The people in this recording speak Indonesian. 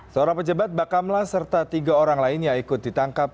seorang pejabat bakamla serta tiga orang lainnya ikut ditangkap